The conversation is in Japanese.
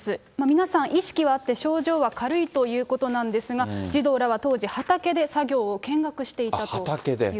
皆さん、意識はあって、症状は軽いということなんですが、児童らは当時、畑で作業を見学していたということです。